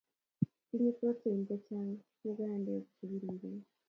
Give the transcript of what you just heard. Tinyei protein chechang mugandek che biriren